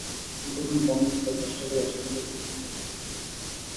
মুঠোফোন বন্ধ থাকায় চেষ্টা করেও সানি দত্তের সঙ্গে কথা বলা সম্ভব হয়নি।